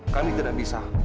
kami tidak bisa